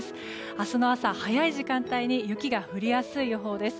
明日の朝早い時間帯に雪が降りやすい予報です。